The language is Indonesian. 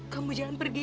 kamu jangan pergi ya